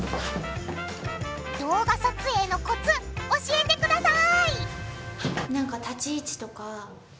動画撮影のコツ教えてください！